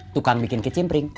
tukang bikin kecimpring